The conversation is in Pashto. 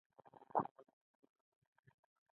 د سفر موخه د کتابونو وېش وه.